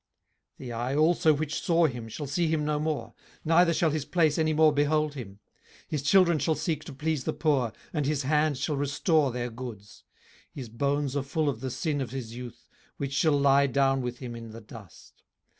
18:020:009 The eye also which saw him shall see him no more; neither shall his place any more behold him. 18:020:010 His children shall seek to please the poor, and his hands shall restore their goods. 18:020:011 His bones are full of the sin of his youth, which shall lie down with him in the dust.